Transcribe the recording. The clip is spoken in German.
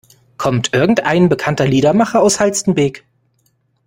Kommt irgendein bekannter Liedermacher aus Halstenbek?